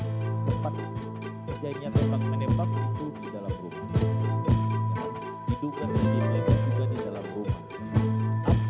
hai tempat jadinya tempat menembak itu di dalam rumah hidupkan di dalam rumah